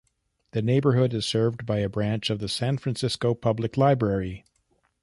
The neighborhood is served by a branch of the San Francisco Public Library.